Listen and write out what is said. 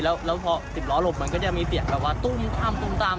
แล้วพอสิบล้อหลบมันก็ยังมีเสียงแปลว่าตุ้นข้ามตุ้นตาม